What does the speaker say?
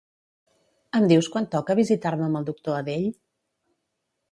Em dius quan toca visitar-me amb el doctor Adell?